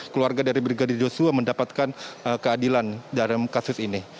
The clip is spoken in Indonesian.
keluarga dari brigadir joshua mendapatkan keadilan dalam kasus ini